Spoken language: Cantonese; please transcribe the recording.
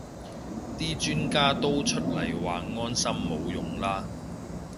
啲專家都出嚟話安心冇用啦